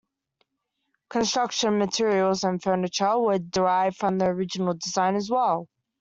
Construction materials and furniture were derived from the original design as well.